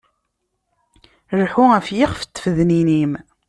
Lḥu ɣef yixef n tfednin-im.